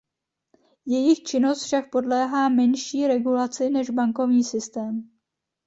Jejich činnost však podléhá menší regulaci než bankovní systém.